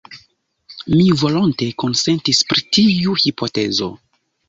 Mi volonte konsentis pri tiu hipotezo.